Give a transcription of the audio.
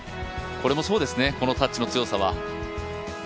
これもそうですね、このタッチの強さは。